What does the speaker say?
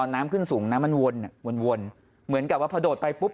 น้ำขึ้นสูงน้ำมันวนอ่ะวนเหมือนกับว่าพอโดดไปปุ๊บ